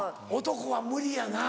男は無理やな。